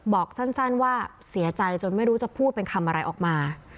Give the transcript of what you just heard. บอกสั้นว่าเสียใจจนไม่รู้จะพูดเป็นคำอะไรออกมา